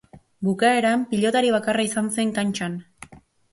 Bukaeran pilotari bakarra izan zen kantxan.